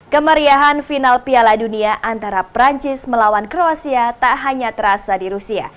kemeriahan final piala dunia antara perancis melawan kroasia tak hanya terasa di rusia